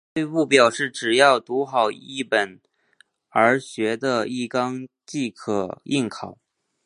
而教育部表示只要读好一本而学得一纲即可应考。